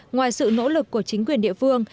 ngoài sự nỗ lực của chính quyền địa phương